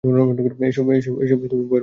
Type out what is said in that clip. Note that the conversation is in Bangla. এ-সব ভয়ের ভাব পরিত্যাগ করুন।